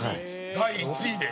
第１位で。